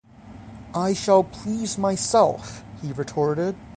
“I shall please myself,” he retorted.